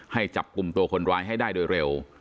ให้จับกลุ่มตัวคนร้ายให้ได้โดยเร็ว